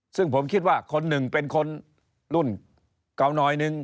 ซึ่งผมคิดว่าคนหนึ่งเป็นคนรุ่นเก่าหน่อยหนึ่ง